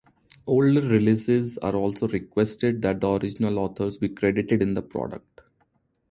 Older releases also requested that the original authors be credited in the product.